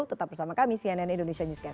tetap bersama kami cnn indonesia newscast